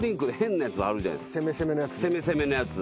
攻め攻めのやつ？